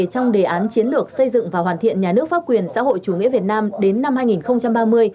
trong đề án chiến lược xây dựng và hoàn thiện nhà nước pháp quyền xã hội chủ nghĩa việt nam đến năm hai nghìn ba mươi